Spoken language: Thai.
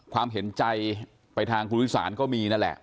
ความเห็นใจไปทางคุณวิสานก็มีนั่นแหละ